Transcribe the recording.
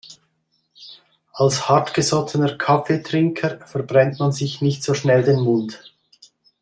Als hartgesottener Kaffeetrinker verbrennt man sich nicht so schnell den Mund.